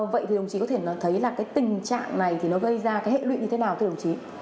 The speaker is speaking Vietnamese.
vậy thì ông chí có thể nói thấy là cái tình trạng này thì nó gây ra cái hệ lụy như thế nào thưa đồng chí